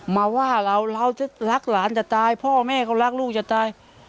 มาว่าเราเราจะรักหลานจะตายพ่อแม่เขารักลูกจะตาย